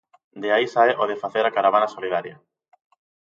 De aí sae o de facer a caravana solidaria.